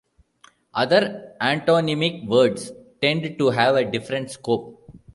Other antonymic words tend to have a different scope.